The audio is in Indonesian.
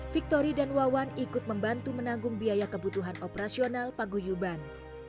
victoria dan wawan ikut membantu menanggung biaya kebutuhan operasional pak guyuban